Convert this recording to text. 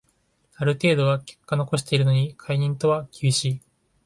ある程度は結果残してるのに解任とは厳しい